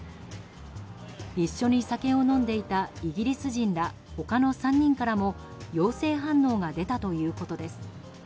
一緒に酒を飲んでいたイギリス人ら他の３人からも陽性反応が出たということです。